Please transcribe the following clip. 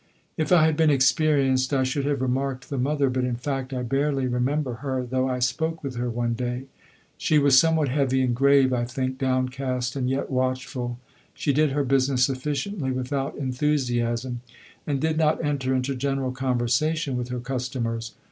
If I had been experienced, I should have remarked the mother, but in fact I barely remember her, though I spoke with her one day. She was somewhat heavy and grave, I think, downcast and yet watchful. She did her business efficiently, without enthusiasm, and did not enter into general conversation with her customers.